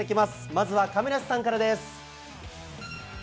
まずは亀梨さんからです。